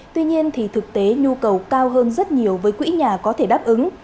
tuy nhiên thì thực tế nhu cầu cao hơn rất nhiều với quỹ nhà có thể đáp ứng